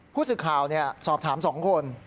ผู้สื่อข่าวสอบถาม๒คน